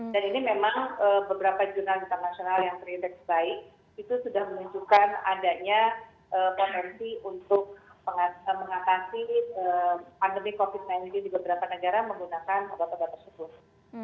dan ini memang beberapa jurnal internasional yang terindeks baik itu sudah menunjukkan adanya potensi untuk mengatasi pandemi covid sembilan belas di beberapa negara menggunakan obat obat tersebut